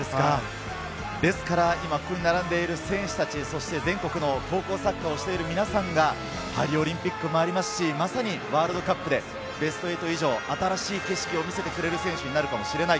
ですから、今ここに並んでいる選手たち、全国の高校サッカーをしている皆さんがパリオリンピックもありますし、まさにワールドカップでベスト８以上、新しい景色を見せてくれる選手になるかもしれない。